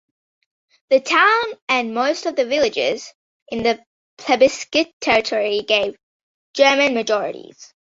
The towns and most of the villages in the plebiscite territory gave German majorities.